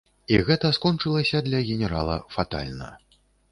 І гэта скончылася для генерала фатальна.